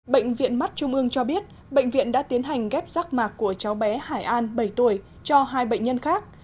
bệnh viện mắt trung ương cho biết bệnh viện đã tiến hành ghép rác mạc của cháu bé hải an bảy tuổi cho hai bệnh nhân khác